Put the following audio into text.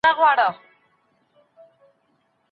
که د کتابونو توري ورته نه وي ماشین نښه ورکوي.